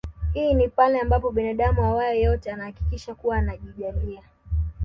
Hii ni pale ambapo binadamu awae yote anahakikisha kuwa anajijali